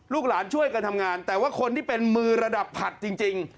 ลูกหลานช่วยกันทำงานแต่ว่าคนที่เป็นมือระดับผัดจริง